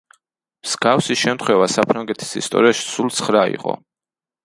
მსგავსი შემთხვევა საფრანგეთის ისტორიაში სულ ცხრა იყო.